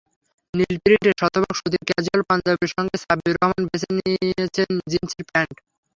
নীল প্রিন্টের শতভাগ সুতির ক্যাজুয়াল পাঞ্জাবির সঙ্গে সাব্বির রহমান বেছে নিয়েছেন জিনসের প্যান্ট।